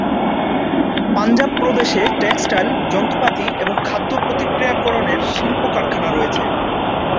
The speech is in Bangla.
পাঞ্জাব প্রদেশে টেক্সটাইল, যন্ত্রপাতি এবং খাদ্য প্রক্রিয়াকরণের শিল্পকারখানা আছে।